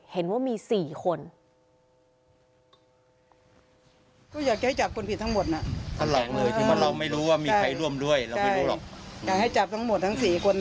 เห็นว่ามี๔คน